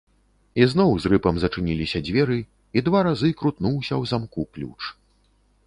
І зноў з рыпам зачыніліся дзверы, і два разы крутнуўся ў замку ключ.